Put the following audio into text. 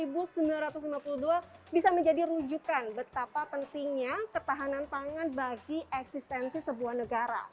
bisa menjadi rujukan betapa pentingnya ketahanan pangan bagi eksistensi sebuah negara